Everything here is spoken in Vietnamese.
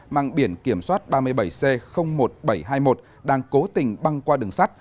mang biển kiểm soát ba mươi bảy c một nghìn bảy trăm hai mươi một đang cố tình băng qua đường sắt